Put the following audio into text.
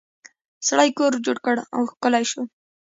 سړي کور جوړ کړ او ښکلی شو.